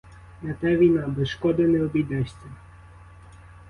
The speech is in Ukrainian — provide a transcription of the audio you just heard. На те війна — без шкоди не обійдешся.